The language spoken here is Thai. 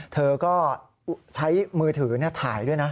เธอก็ใช้มือถือถ่ายด้วยนะ